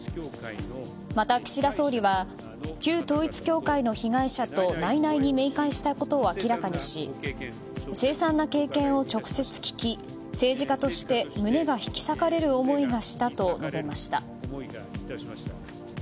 また、岸田総理は旧統一教会の被害者と内々に面会したことを明らかにし凄惨な経験を直接聞き政治家として胸が引き裂かれる思いがしたと述べました。